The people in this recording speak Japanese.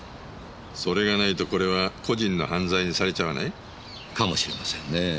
それがないとこれは個人の犯罪にされちゃわない？かもしれませんね。